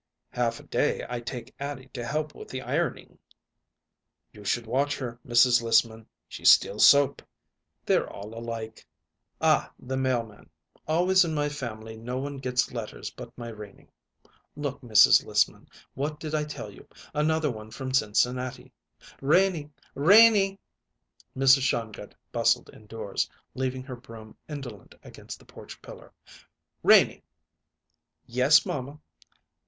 "Half a day I take Addie to help with the ironing." "You should watch her, Mrs. Lissman; she steals soap." "They're all alike." "Ah, the mailman. Always in my family no one gets letters but my Renie. Look, Mrs. Lissman! What did I tell you? Another one from Cincinnati. Renie! Renie!" Mrs. Shongut bustled indoors, leaving her broom indolent against the porch pillar. "Renie!" "Yes, mamma."